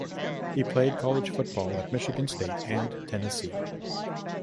He played college football at Michigan State and Tennessee.